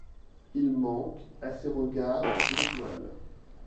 Il manque à ces regards l’étoile.